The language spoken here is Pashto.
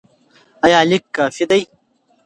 ایا لیک کافي دی؟